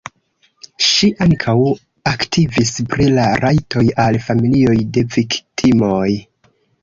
Ŝi ankaŭ aktivis pri la rajtoj al familioj de viktimoj.